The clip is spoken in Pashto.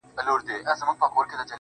داسې خبرې خو د دې دُنيا سړی نه کوي,